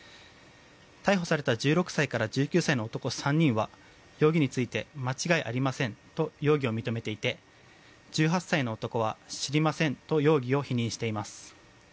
逮捕された１６歳から１９歳の男３人は容疑について間違いありませんと容疑を認めていて１８歳の男は、知りませんと容疑を否認しています。